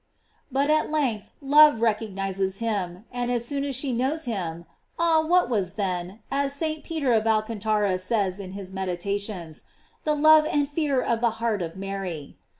"J But at length love recognizes him, and as soon as she knows him, ah, what was then, as St. Peter of Alcantara says in his meditations, the love and fear of the heart of Mary!